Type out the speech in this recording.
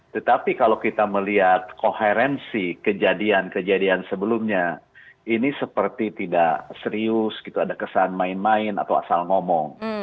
tetapi kalau kita melihat koherensi kejadian kejadian sebelumnya ini seperti tidak serius gitu ada kesan main main atau asal ngomong